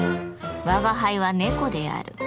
吾輩は猫である。